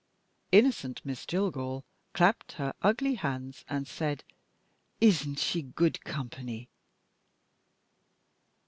Innocent Miss Jillgall clapped her ugly hands, and said: "Isn't she good company?"